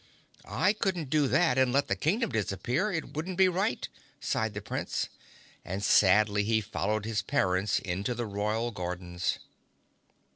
"I couldn't do that and let the Kingdom disappear, it wouldn't be right," sighed the Prince, and sadly he followed his parents into the royal gardens.